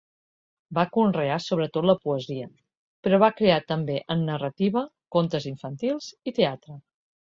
Va conrear sobretot la poesia, però va crear també en narrativa, contes infantils i teatre.